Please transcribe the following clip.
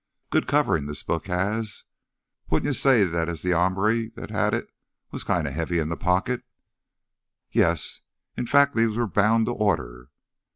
Good coverin' this book has. Wouldn't you say as th' hombre that had it was kinda heavy in th' pocket?" "Yes. In fact, these were bound to order."